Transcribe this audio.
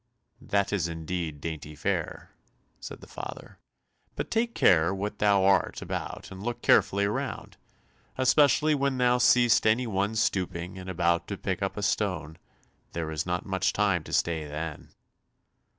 "That is indeed dainty fare," said the father, "but take care what thou art about and look carefully around, especially when thou seest any one stooping and about to pick up a stone, there is not much time to stay then."